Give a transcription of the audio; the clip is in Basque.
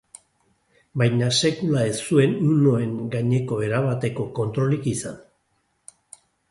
Baina sekula ez zuen hunoen gaineko erabateko kontrolik izan.